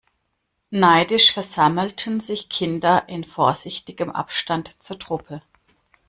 Neidisch versammelten sich Kinder in vorsichtigem Abstand zur Truppe.